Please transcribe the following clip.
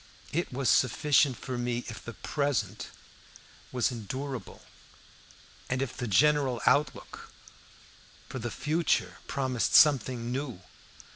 It was sufficient for me if the present was endurable, and if the general outlook for the future promised something new.